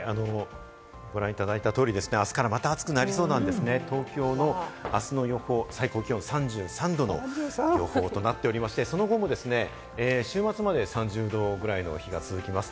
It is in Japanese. ご覧いただいた通り、あすからまた暑くなりそうなんですね、東京のあすの予報、最高気温３３度の予報となっておりまして、その後もですね、週末まで３０度ぐらいの日が続きます。